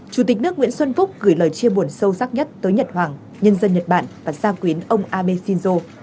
chủ tịch nước nguyễn xuân phúc gửi lời chia buồn sâu sắc nhất tới nhật hoàng nhân dân nhật bản và gia quyến ông abe shinzo